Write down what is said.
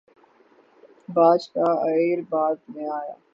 باچ کا ایئر بعد میں آیا